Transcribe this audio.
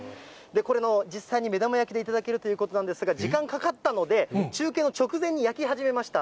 これの、実際の目玉焼きで頂けるということなんですが、時間かかったので、中継の直前に焼き始めました。